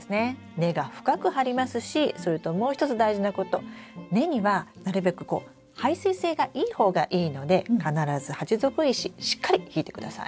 根が深く張りますしそれともう一つ大事なこと根にはなるべくこう排水性がいい方がいいので必ず鉢底石しっかりひいてください。